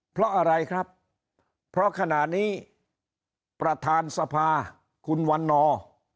เพราะอะไรครับเพราะขณะนี้ประธานสภาคุณวันนอร์